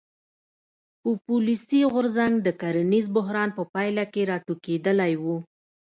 پوپولیستي غورځنګ د کرنیز بحران په پایله کې راټوکېدلی و.